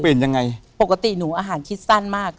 ยังไงปกติหนูอาหารคิดสั้นมาก